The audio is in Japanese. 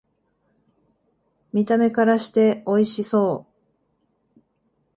見た目からしておいしそう